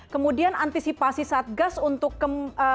kemudian antisipasi satgas untuk kembali ke negara lain